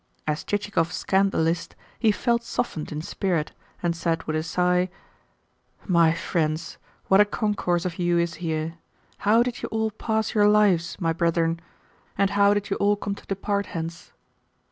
As Chichikov scanned the list he felt softened in spirit, and said with a sigh: "My friends, what a concourse of you is here! How did you all pass your lives, my brethren? And how did you all come to depart hence?"